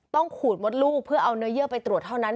ขูดมดลูกเพื่อเอาเนื้อเยื่อไปตรวจเท่านั้น